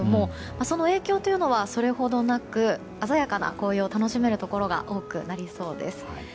その影響というのはそれほどなく鮮やかな紅葉を楽しめるところが多くなりそうです。